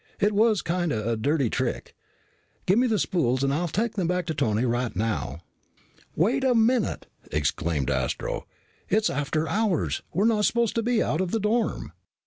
"It was kind of a dirty trick. Give me the spools. I'll take them back to Tony right now." "Wait a minute!" exclaimed Astro. "It's after hours. We're not supposed to be out of the dorm."